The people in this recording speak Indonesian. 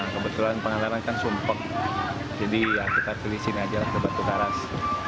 kebetulan pangandaran kan sumpok jadi kita pilih sini aja lah ke batu karas